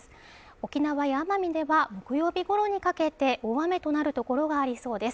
沖縄や奄美では木曜日ごろにかけて大雨となる所がありそうです